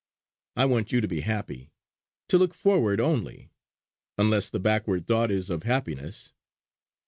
I want you to be happy; to look forward only unless the backward thought is of happiness.